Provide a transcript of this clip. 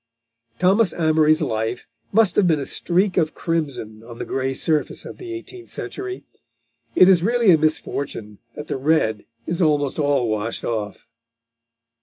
Thomas Amory's life must have been a streak of crimson on the grey surface of the eighteenth century. It is really a misfortune that the red is almost all washed off.